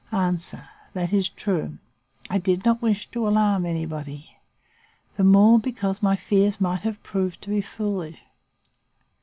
"A. That is true. I did not wish to alarm anybody, the more, because my fears might have proved to have been foolish.